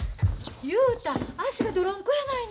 雄太足が泥んこやないの。